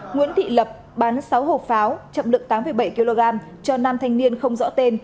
nguyễn thị lập bán sáu hộp pháo chậm lượng tám bảy kg cho nam thanh niên không rõ tên